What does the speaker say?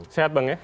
sehat bang ya